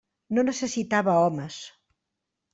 No necessitava homes.